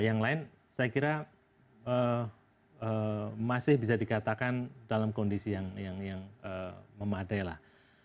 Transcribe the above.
yang lain saya kira masih bisa dikatakan dalam kondisi yang memadai lah